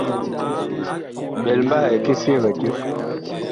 Ɓɛl mbahɛ ki si ɛg dig.